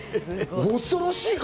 恐ろしい方。